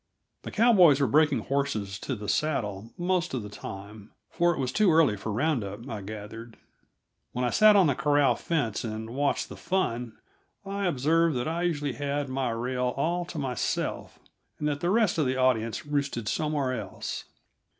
The cowboys were breaking horses to the saddle most of the time, for it was too early for round up, I gathered. When I sat on the corral fence and watched the fun, I observed that I usually had my rail all to myself and that the rest of the audience roosted somewhere else.